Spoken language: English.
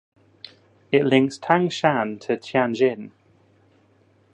It links Tangshan to Tianjin.